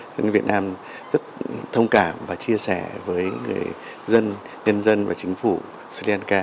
cho nên việt nam rất thông cảm và chia sẻ với người dân nhân dân và chính phủ sri lanka